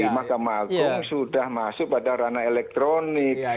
di mahkamah agung sudah masuk pada ranah elektronik